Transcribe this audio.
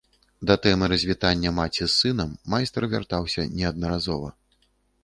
Да тэмы развітання маці з сынам майстар вяртаўся неаднаразова.